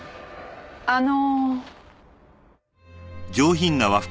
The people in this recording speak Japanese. あの。